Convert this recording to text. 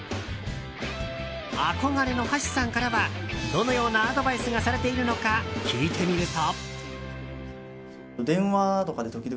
憧れの橋さんからは、どのようなアドバイスがされているのか聞いてみると。